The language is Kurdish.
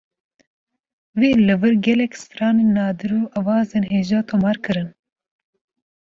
Wî li wir gelek stranên nadir û awazên hêja tomar kirin.